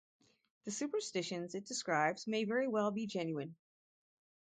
The superstitions it describes may very well be genuine.